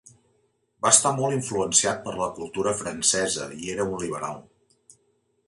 Va estar molt influenciat per la cultura francesa i era un liberal.